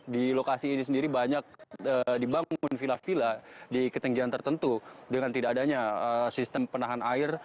di lokasi ini sendiri banyak dibangun villa villa di ketinggian tertentu dengan tidak adanya sistem penahan air